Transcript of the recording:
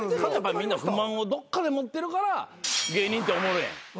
みんな不満をどっかで持ってるから芸人っておもろいねん。